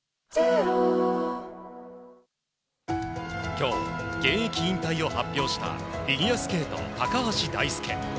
今日、現役引退を発表したフィギュアスケート、高橋大輔。